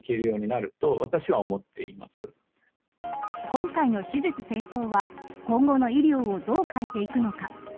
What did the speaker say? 今回の手術成功は今後の医療をどう変えていくのか。